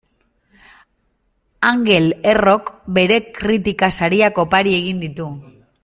Angel Errok bere kritika sariak opari egin ditu.